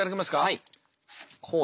はい。